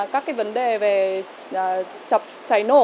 các vấn đề về chập cháy nổ